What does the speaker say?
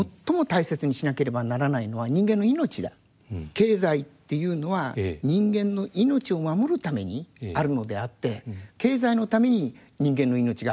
経済っていうのは人間の命を守るためにあるのであって経済のために人間の命があるのではないと。